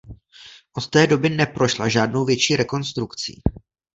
Od té doby neprošla žádnou větší rekonstrukcí.